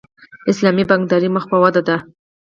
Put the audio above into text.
اسلامي بانکداري مخ په ودې ده